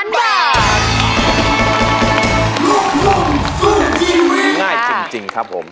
ง่ายจริงครับผม